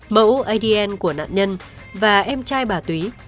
mẫu adn của nạn nhân và em trai bà túy